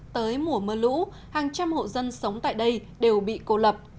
tới mùa mưa lũ hàng trăm hộ dân sống tại đây đều bị cô lập